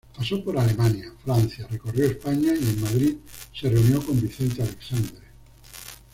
Pasó por Alemania, Francia, recorrió España y en Madrid se reunió con Vicente Aleixandre.